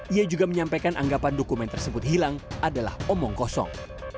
ia juga menyampaikan anggapan dokumen tersebut hilang adalah omong kosong